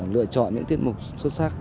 lựa chọn những tiết mục xuất sắc